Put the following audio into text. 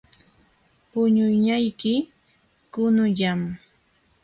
Puñunayki qunullam.